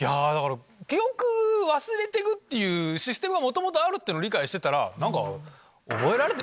記憶忘れてくっていうシステムが元々あるっての理解してたら。